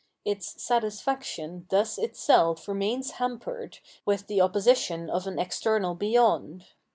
Its satisfaction thus itself remains hampered with the opposition of an external beyond.